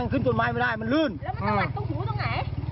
ขึ้นต้นไม้ไม่ได้มันลื่นแล้วมันตะวัดตรงหูตรงไหน